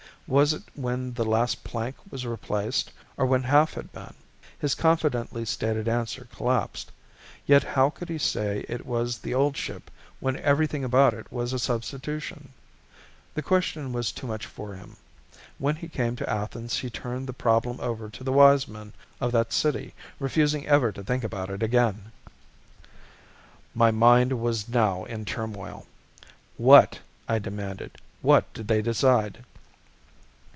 Was it when the last plank was replaced or when half had been? His confidently stated answer collapsed. Yet how could he say it was the old ship when everything about it was a substitution? The question was too much for him. When he came to Athens he turned the problem over to the wise men of that city, refusing ever to think about it again." My mind was now in turmoil. "What," I demanded, "what did they decide?"